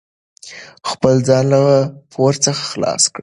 خپل ځان له پور څخه خلاص کړئ.